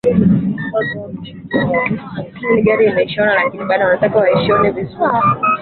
Alimwandikia rafiki wake barua